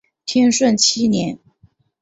天顺七年。